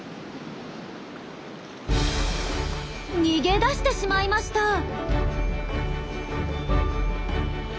逃げ出してしまいました。